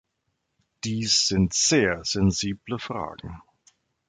Dies sind sehr sensible Fragen.